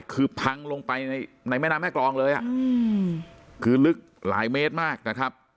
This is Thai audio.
คือพังลงไปในแม่น้ำแม่กรองเลยคือลึกหลายเมตรมากนะครับ